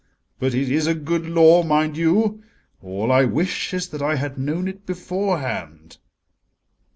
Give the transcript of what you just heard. But it is a good law, mind you: all I wish is that I had known it beforehand."